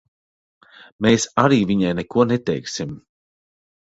Mēs arī viņai neko neteiksim.